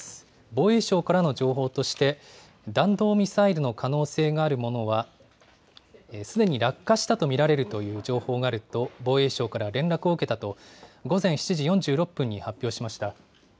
防衛省からの情報として、弾道ミサイルの可能性があるものはすでに落下したと見られるという情報があると、防衛省から連絡を受けたと午前７時４６分に発表しました。